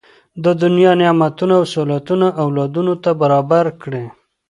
د دنیا نعمتونه او سهولتونه اولادونو ته برابر کړي.